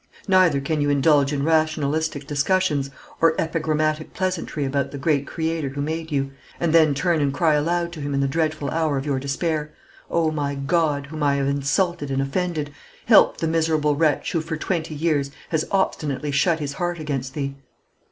Neither can you indulge in rationalistic discussions or epigrammatic pleasantry about the Great Creator who made you, and then turn and cry aloud to Him in the dreadful hour of your despair: "O my God, whom I have insulted and offended, help the miserable wretch who for twenty years has obstinately shut his heart against Thee!"